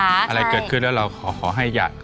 อะไรเกิดขึ้นแล้วเราขอให้อยาก